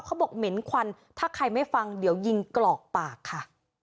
เหม็นควันถ้าใครไม่ฟังเดี๋ยวยิงกรอกปากค่ะ